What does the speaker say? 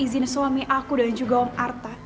izin suami aku dan juga om artha